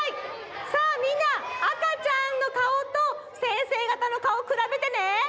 さあみんな赤ちゃんのかおと先生がたのかおくらべてね。